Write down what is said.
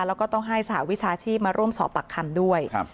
แล้วก็ต้องให้สหวิชาชีพมาร่วมสอบปากคำด้วย